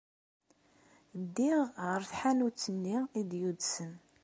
Ddiɣ ɣer tḥanut-nni ay d-yudsen.